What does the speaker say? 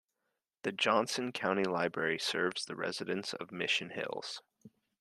The Johnson County Library serves the residents of Mission Hills.